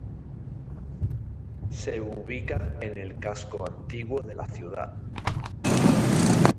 Se ubica en el casco antiguo de la ciudad.